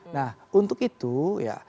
nah untuk itu ya